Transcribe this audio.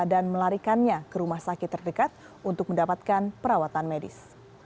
dan melarikannya ke rumah sakit terdekat untuk mendapatkan perawatan medis